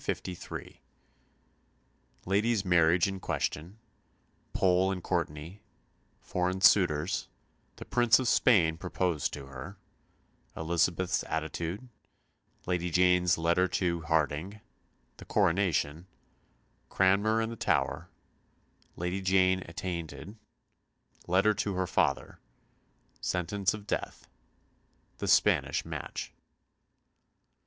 CHAPTER XXI 1553 Mary's marriage in question Pole and Courtenay Foreign suitors The Prince of Spain proposed to her Elizabeth's attitude Lady Jane's letter to Hardinge The coronation Cranmer in the Tower Lady Jane attainted Letter to her father Sentence of death The Spanish match.